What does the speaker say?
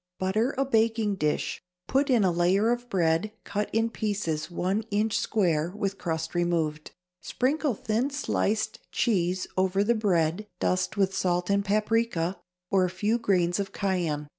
Butter a baking dish, put in a layer of bread cut in pieces one inch square with crust removed, sprinkle thin sliced cheese over the bread, dust with salt and paprica, or a few grains of cayenne.